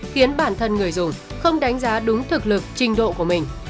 khiến bản thân người dùng không đánh giá đúng thực lực trình độ của mình